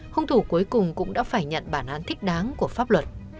hung thủ cuối cùng cũng đã phải nhận bản án thích đáng của pháp luật